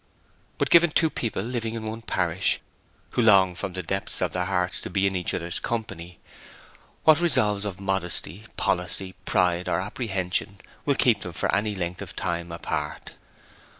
But given two people living in one parish, who long from the depths of their hearts to be in each other's company, what resolves of modesty, policy, pride, or apprehension will keep them for any length of time apart?